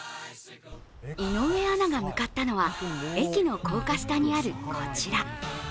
井上アナが向かったのは駅の高架下にあるこちら。